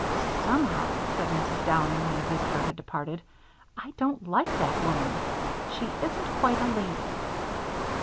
"Somehow," said Mrs. Downing, when the visitor had departed, "I don't like that woman. She isn't quite a lady."